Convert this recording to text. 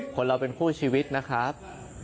คนเราเป็นคู่ชีวิตนะครับ